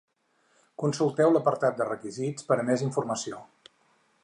Consulteu l'apartat de requisits per a més informació.